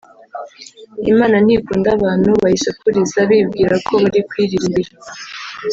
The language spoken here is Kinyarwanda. Imana ntikunda abantu bayisakuriza bibwira ko bari kuyiririmbira